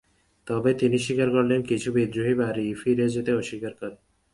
তবে তিনি স্বীকার করেন, কিছু বিদ্রোহী বাড়ি ফিরে যেতে অস্বীকার করে।